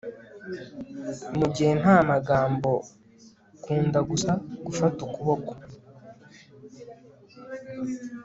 mugihe nta magambo, kunda gusa gufata ukuboko